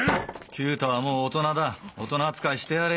九太はもう大人だ大人扱いしてやれ。